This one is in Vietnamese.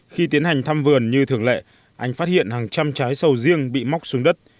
khi tiến hành thăm vườn như thường lệ anh phát hiện hàng trăm trái sầu riêng bị móc xuống đất